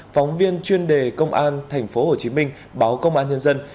phóng viên chuyên đề công an thành phố hồ chí minh báo công an nhân dân